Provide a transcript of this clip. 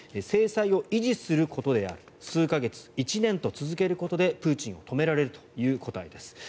制裁を維持することである数か月、１年と続けることでプーチンを止められるという答えです。